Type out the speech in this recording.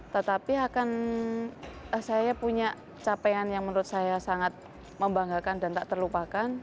tetapi akan saya punya capaian yang menurut saya sangat membanggakan dan tak terlupakan